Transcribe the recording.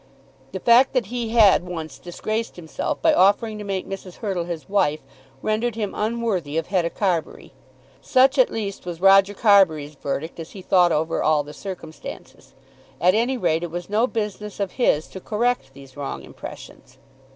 The fact that he had once disgraced himself by offering to make Mrs. Hurtle his wife, rendered him unworthy of Hetta Carbury. Such, at least, was Roger Carbury's verdict as he thought over all the circumstances. At any rate, it was no business of his to correct these wrong impressions.